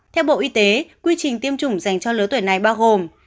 theo bộ y tế quy trình tiêm chủng dành cho lứa tuổi này bao gồm